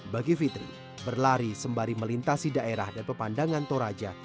bagi fitri berlari sembari melintasi daerah dan pemandangan toraja